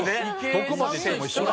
どこまでいっても一緒だ。